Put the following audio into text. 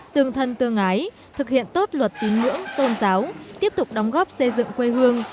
tương thân tương ái thực hiện tốt luật tín ngưỡng tôn giáo tiếp tục đóng góp xây dựng quê hương